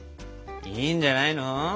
いいんじゃないの？